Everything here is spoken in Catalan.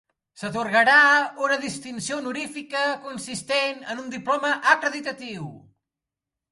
S'atorgarà una distinció honorífica consistent en un diploma acreditatiu.